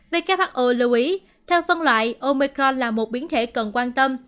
who lưu ý theo phân loại omecron là một biến thể cần quan tâm